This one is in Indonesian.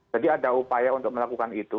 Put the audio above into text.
jadi ada upaya untuk melakukan itu